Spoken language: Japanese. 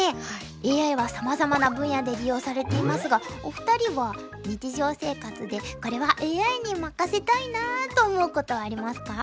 ＡＩはさまざまな分野で利用されていますがお二人は日常生活で「これはＡＩに任せたいな」と思うことありますか？